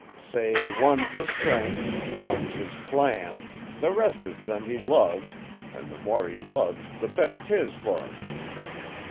Say one's his strength, one's his plan, the rest is them he loves, an' the more he loves the better 'tis fer him.